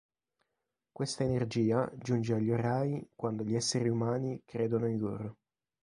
Questa energia giunge agli Ori quando gli esseri umani credono in loro.